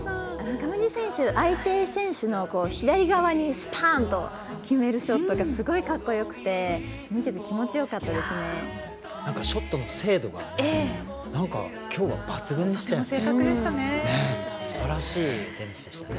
上地選手、相手選手の左側にスパン！と決めるショットがかっこよくてショットの精度がきょうは抜群でしたね。